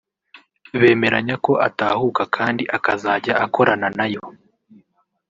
bemeranya ko atahuka kandi akazajya akorana nayo